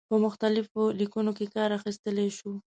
په مختلفو لیکنو کې کار اخیستلای شو.